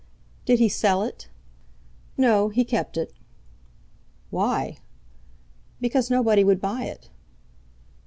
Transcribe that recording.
"Did he sell it?" "No; he kept it." "Why?" "Because nobody would buy it."